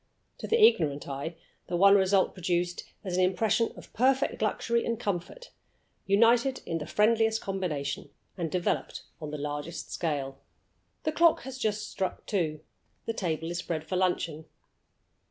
To the ignorant eye the one result produced is an impression of perfect luxury and comfort, united in the friendliest combination, and developed on the largest scale. The clock has just struck two. The table is spread for luncheon.